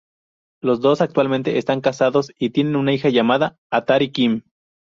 Los dos actualmente están casados y tienen una hija llamada Atari Kim.